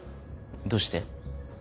どうして？